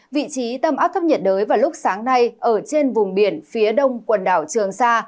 vị trí tâm áp thấp nhiệt đới vào lúc sáng nay ở trên vùng biển phía đông quần đảo trường sa